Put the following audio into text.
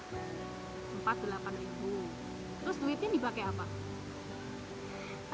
terus duitnya dipakai apa